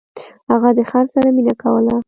هغه د خر سره مینه کوله.